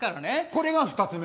これが２つ目。